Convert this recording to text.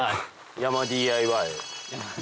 山ＤＩＹ。